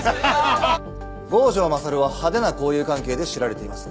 郷城勝は派手な交友関係で知られています。